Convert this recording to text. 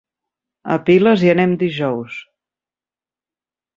A Piles hi anem dijous.